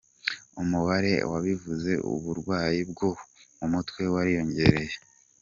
Umubare w’abivuza uburwayi bwo mu mutwe wariyongereye.